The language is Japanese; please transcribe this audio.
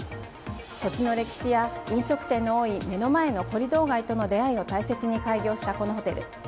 土地の歴史や飲食店の多い目の前のコリドー街との出会いを大切に開業したこのホテル。